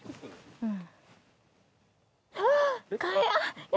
うん。